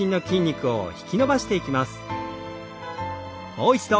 もう一度。